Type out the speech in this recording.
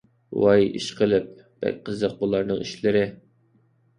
ۋاي ئىشقىلىپ، بەك قىزىق بۇلارنىڭ ئىشلىرى.